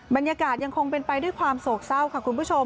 บรรยากาศยังคงเป็นไปด้วยความสกเศร้าค่ะคุณผู้ชม